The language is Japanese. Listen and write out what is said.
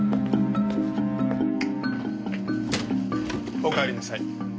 おかえりなさい。